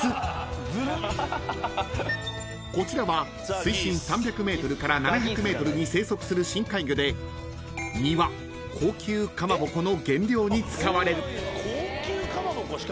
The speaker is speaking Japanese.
［こちらは水深３００ｍから７００ｍに生息する深海魚で身は高級かまぼこの原料に使われる］